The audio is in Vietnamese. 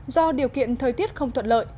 do điều kiện thời tiết không thuận lợi